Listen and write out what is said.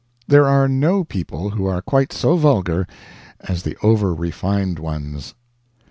There are no people who are quite so vulgar as the over refined ones.